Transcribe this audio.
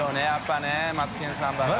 「マツケンサンバ」ね。）